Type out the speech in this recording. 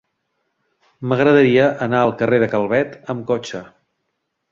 M'agradaria anar al carrer de Calvet amb cotxe.